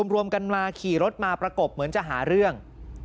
รวมกันมาขี่รถมาประกบเหมือนจะหาเรื่อง